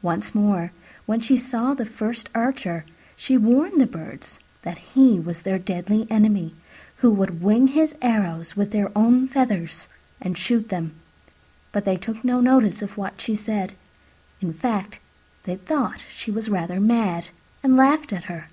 Once more, when she saw the first archer, she warned the Birds that he was their deadly enemy, who would wing his arrows with their own feathers and shoot them. But they took no notice of what she said: in fact, they thought she was rather mad, and laughed at her.